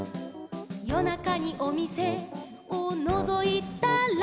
「よなかにおみせをのぞいたら」